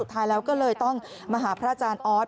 ท้ายแล้วก็เลยต้องมาหาพระอาจารย์ออส